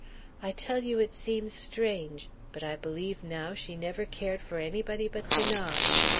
I tell you it seems strange, but I believe, now, she never cared for anybody but 'Thanase.